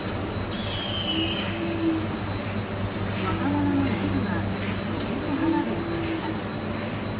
若者の一部がロケット花火を発射。